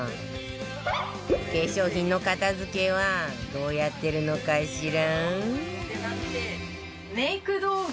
化粧品の片付けはどうやってるのかしら？